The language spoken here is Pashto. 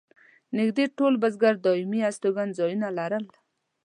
نږدې ټول بزګر دایمي استوګن ځایونه لرل.